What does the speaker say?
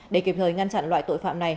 để kịp thời ngăn chặn loại tội phạm này